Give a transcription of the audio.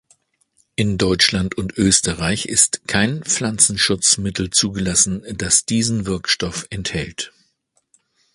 In Deutschland und Österreich ist kein Pflanzenschutzmittel zugelassen, das diesen Wirkstoff enthält.